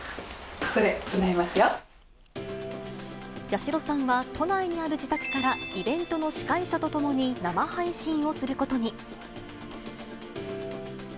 八代さんは、都内にある自宅からイベントの司会者と共に生配信をすることに。